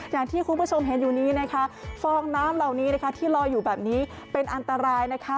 อย่างที่คุณผู้ชมเห็นอยู่นี้นะคะฟองน้ำเหล่านี้นะคะที่ลอยอยู่แบบนี้เป็นอันตรายนะคะ